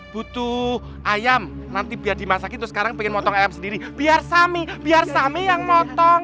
butuh ayam nanti biar dimasakin terus sekarang pengen motong ayam sendiri biar sami biar sami yang motong